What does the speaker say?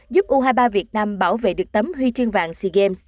giúp u hai mươi ba việt nam bảo vệ đất nước